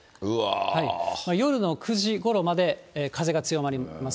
夜の９時ごろまで風が強まります。